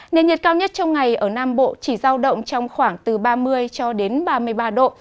nền nhiệt cao nhất trong ngày ở nam bộ chỉ giao động trong khoảng từ ba mươi cho đến ba mươi ba độ